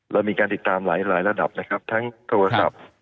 เรามีการติดตามหลายระดับนะครับทั้งโทรศัพท์